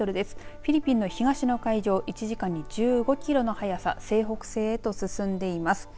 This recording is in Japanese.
フィリピンの東の海上を１時間に１５キロの速さ西北西へと進んでいます。